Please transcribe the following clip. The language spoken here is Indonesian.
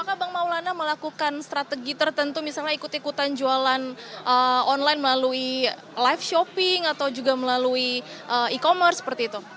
apakah bang maulana melakukan strategi tertentu misalnya ikut ikutan jualan online melalui live shopping atau juga melalui e commerce seperti itu